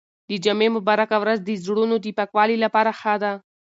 د جمعې مبارکه ورځ د زړونو د پاکوالي لپاره ښه ده.